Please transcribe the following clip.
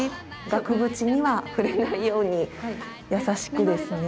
額縁には触れないように優しくですね。